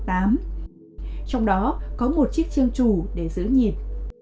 trong đó có một chiếc chiêng trù để giữ nhịp